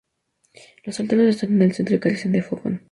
Los solteros están en el centro y carecen de fogón.